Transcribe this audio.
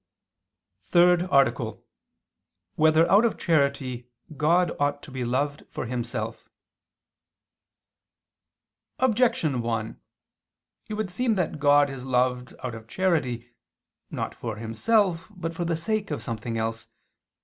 _______________________ THIRD ARTICLE [II II, Q. 27, Art. 3] Whether Out of Charity God Ought to Be Loved for Himself? Objection 1: It would seem that God is loved out of charity, not for Himself but for the sake of something else.